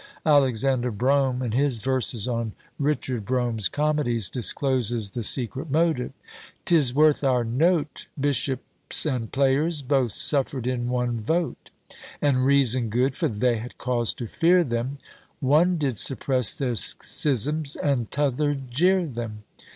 Alexander Brome, in his verses on Richard Brome's Comedies, discloses the secret motive: 'Tis worth our note, Bishops and players, both suffer'd in one vote: And reason good, for they had cause to fear them; One did suppress their schisms, and t'other JEER THEM.